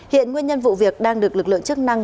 hiện nguyên nhân vụ việc đang được lực lượng chức năng